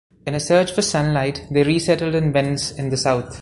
In a "search for sunlight" they re-settled in Vence in the south.